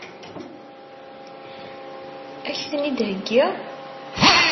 Ad k-ten-id-heggiɣ?